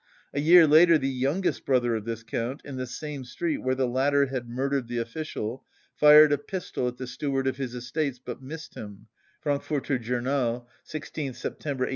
A year later the youngest brother of this Count, in the same street where the latter had murdered the official, fired a pistol at the steward of his estates, but missed him (Frankfurter Journal, 16th September 1837).